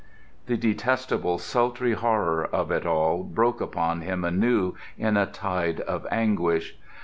The detestable sultry horror of it all broke upon him anew in a tide of anguish.